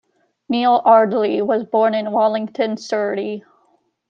Neil Ardley was born in Wallington, Surrey.